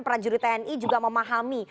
prajurit tni juga memahami